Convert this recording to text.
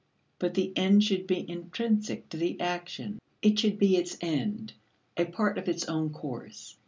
But the end should be intrinsic to the action; it should be its end a part of its own course.